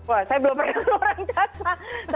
wah saya belum pernah keluar angkasa